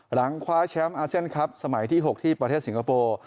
หลังคว้าแชมป์อาเซียนครับสมัยที่๖ที่ประเทศสิงคโปร์